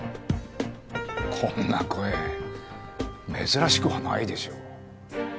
こんな声珍しくはないでしょう。